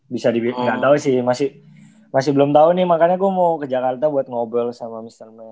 bisa dibila nggak tau sih masih belum tau nih makanya gue mau ke jakarta buat ngobrol sama mr matt